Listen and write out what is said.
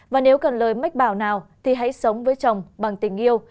và nếu cần lời mách bảo nào thì hãy sống với chồng bằng tình yêu